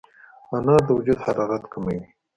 انار د وجود حرارت کموي.